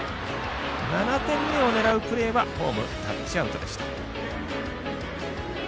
７点目を狙うプレーはホーム、タッチアウトでした。